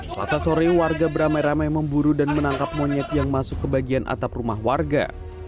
selasa sore warga beramai ramai memburu dan menangkap monyet yang masuk ke bagian atap rumah warga